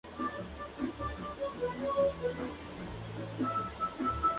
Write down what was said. Se puede ver en Youtube en el canal de la banda.